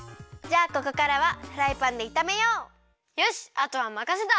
あとはまかせた！